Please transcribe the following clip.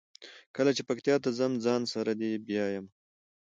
کله چې پکتیا ته ځم ځان سره دې بیایمه.